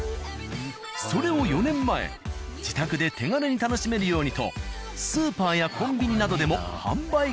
それを４年前自宅で手軽に楽しめるようにとスーパーやコンビニなどでも販売開始。